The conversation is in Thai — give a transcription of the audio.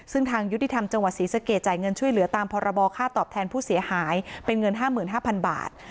ซึ่งทางยุติธรรมจังหวัดศรีสะเกดจ่ายเงินช่วยเหลือตามพรบค่าตอบแทนผู้เสียหายเป็นเงิน๕๕๐๐บาท